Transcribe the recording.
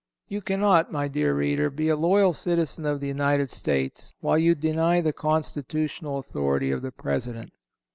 You cannot, my dear reader, be a loyal citizen of the United States while you deny the constitutional authority of the President.